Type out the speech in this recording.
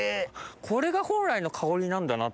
これが本来の香りなんだなっていう。